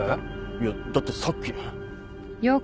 いやだってさっき。